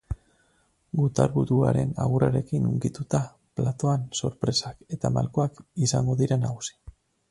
Gutarburuaren agurrarekin hunkituta, platoan sorpresak eta malkoak izango dira nagusi.